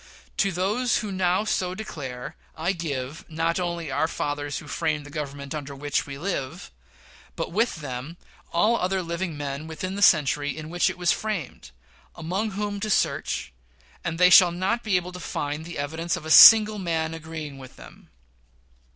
To those who now so declare, I give not only "our fathers who framed the Government under which we live," but with them all other living men within the century in which it was framed, among whom to search, and they shall not be able to find the evidence of a single man agreeing with them.